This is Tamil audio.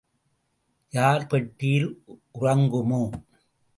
யார் பெட்டியில் உறங்குமோ?